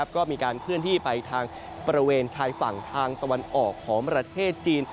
ก็มีการเคลื่อนที่ไปทางบริเวณชายฝั่งทางตะวันออกของประเทศจีน